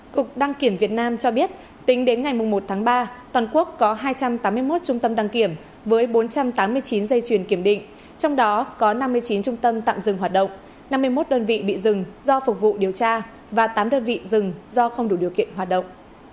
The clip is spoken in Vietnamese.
cục đăng kiểm việt nam cho biết tính đến ngày một tháng ba toàn quốc có hai trăm tám mươi một trung tâm đăng kiểm với bốn trăm tám mươi chín dây chuyền kiểm định trong đó có năm mươi chín trung tâm tạm dừng hoạt động năm mươi một đơn vị bị dừng do phục vụ điều tra và tám đơn vị rừng do không đủ điều kiện hoạt động